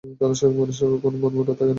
কারণ স্বাভাবিক মানুষ কখনো মনমরা থাকেনা।